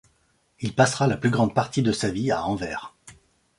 Il passera la plus grande partie de sa vie à Anvers.